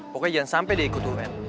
pokoknya jangan sampe dia ikut un